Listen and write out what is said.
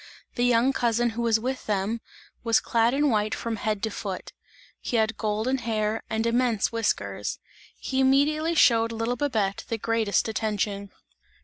The young cousin who was with them, was clad in white from head to foot; he had golden hair and immense whiskers; he immediately showed little Babette the greatest attention.